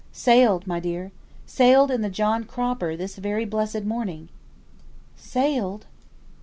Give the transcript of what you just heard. "Sailed, my dear! sailed in the John Cropper this very blessed morning." "Sailed!"